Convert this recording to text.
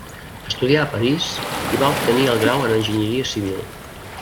Estudià a París i va obtenir el grau en enginyeria civil.